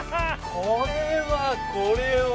これはこれは。